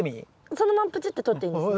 そのままプチッてとっていいんですね？